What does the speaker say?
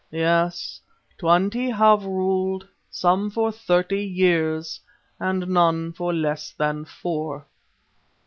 "Yes, twenty have ruled, some for thirty years and none for less than four."